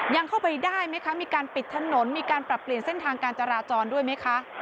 ยังเข้าไปได้ไหมคะมีการปิดถนนมีการปรับเปลี่ยนเส้นทางการจราจรด้วยไหมคะ